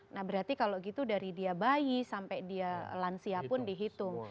nah berarti kalau gitu dari dia bayi sampai dia lansia pun dihitung